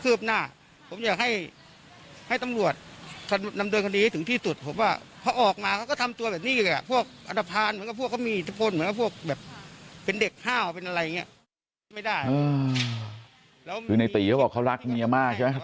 คือในตีเขาบอกเขารักเมียมากใช่ไหม